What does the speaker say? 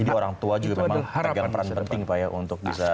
jadi orang tua juga memang pegang peran penting pak untuk bisa